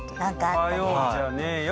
「おはようじゃねーよ」